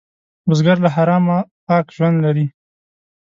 بزګر له حرامه پاک ژوند لري